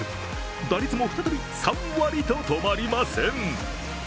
打率も再び３割と止まりません。